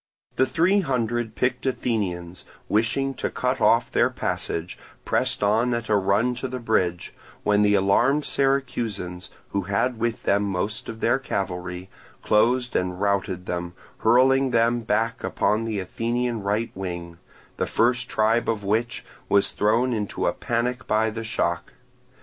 The three hundred picked Athenians, wishing to cut off their passage, pressed on at a run to the bridge, when the alarmed Syracusans, who had with them most of their cavalry, closed and routed them, hurling them back upon the Athenian right wing, the first tribe of which was thrown into a panic by the shock.